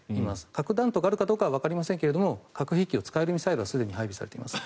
核弾頭があるかどうかはわかりませんが核兵器を使えるミサイルはすでに配備しています。